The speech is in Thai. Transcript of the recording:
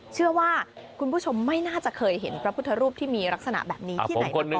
เชื่อว่าคุณผู้ชมไม่น่าจะเคยเห็นพระพุทธรูปที่มีลักษณะแบบนี้ที่ไหนมาก่อน